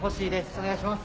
お願いします。